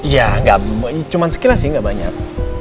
ya gak cuma sekilas sih gak banyak